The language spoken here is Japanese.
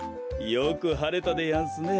よくはれたでやんすね。